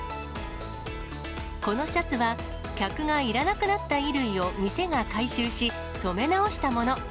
このシャツは、客がいらなくなった衣類を店が回収し、染め直したもの。